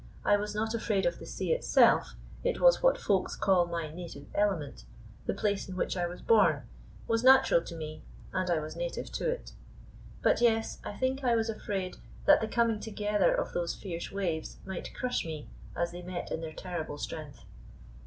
I was not afraid of the sea itself, it was what Folks call my "native element," the place in which I was born, was natural to me, and I was native to it. But yes, I think I was afraid that the coming together of those fierce waves might crush me as they met in their terrible strength.